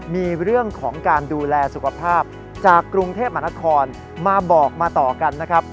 มีเรื่องของการดูแลสุขภาพจากกรุงเทพมหานครมาบอกมาต่อกันนะครับ